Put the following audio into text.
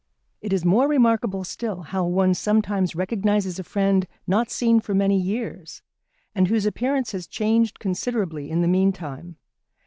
It is more remarkable still how one sometimes recognises a friend not seen for many years, and whose appearance has changed considerably in the meantime.